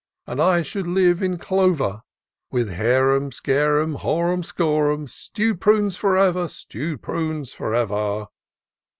And I should live in clover ; With harum scarum, horum scorum, Stew'd prunes for ever ! Stew'd prunes for ever